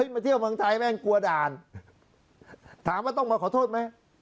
แม่งกลัวด่าวท์ถามว่าต้องมาขอโทษไหม